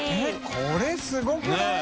┐これすごくない？ねぇ。